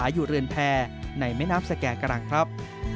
อยู่เรือนแพรในแม่น้ำสแก่กรังครับ